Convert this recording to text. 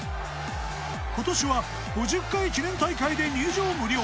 今年は５０回記念大会で入場無料。